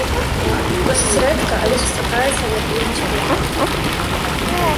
Досыць рэдка, але сустракаецца алергія на сперму.